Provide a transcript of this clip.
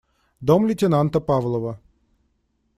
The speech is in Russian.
Дом лейтенанта Павлова.